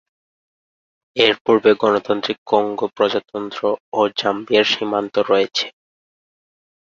এর পূর্বে গণতান্ত্রিক কঙ্গো প্রজাতন্ত্র ও জাম্বিয়ার সীমান্ত রয়েছে।